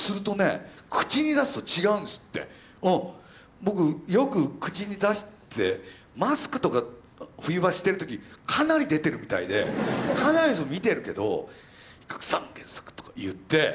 僕よく口に出してマスクとか冬場してる時かなり出てるみたいでかなりの人見てるけど「比較三原則」とか言って。